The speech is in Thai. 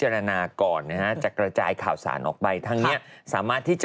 อ้อนน่าแรกโอ๊ยน่าแรก